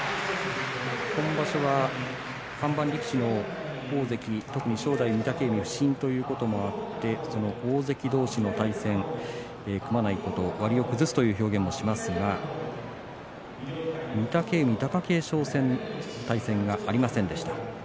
今場所は看板力士の大関正代、御嶽海、不振ということで大関同士の対戦組まないことを割を崩すという表現をしますが御嶽海、貴景勝戦がありませんでした。